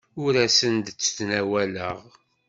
Ur asen-d-ttnawaleɣ.